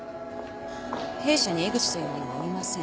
弊社にエグチという者はおりません。